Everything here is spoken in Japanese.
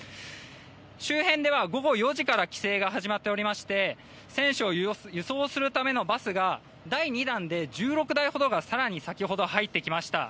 周辺では午後４時から規制が始まっておりまして選手を輸送するためのバスが第２弾で１６台ほどが先ほど入ってきました。